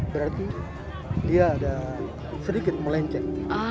berarti dia sedikit melencet